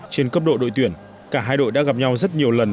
trên cấp độ đội tuyển cả hai đội đã gặp nhau rất nhiều lần